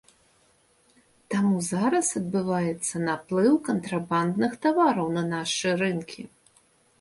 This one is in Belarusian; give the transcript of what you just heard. Таму зараз адбываецца наплыў кантрабандных тавараў на нашы рынкі.